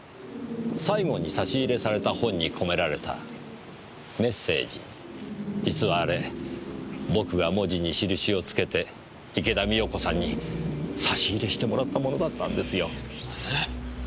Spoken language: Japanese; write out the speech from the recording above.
最後に差し入れされた本に込められたメッセージ実はあれ僕が文字に印を付けて池田美代子さんに差し入れしてもらったものだったんですよ。えっ？